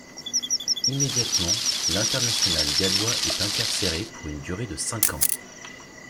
Immédiatement, l'international gallois est incarcéré pour une durée de cinq ans.